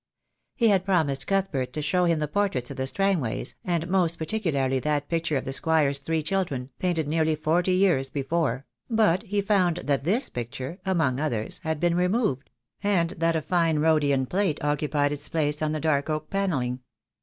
He had promised Cuthbert to show him the portraits of the Strangways, and most particularly that picture of the Squire's three children, painted nearly forty years before; but he found that this picture, among others, had been removed, and that a fine Rhodian plate occupied its place on the dark oak panelling.